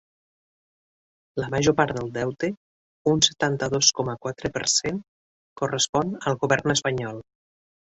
La major part del deute, un setanta-dos coma quatre per cent, correspon al govern espanyol.